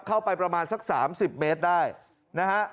เข้าไปประมาณสัก๓๐เมตรได้นะฮะ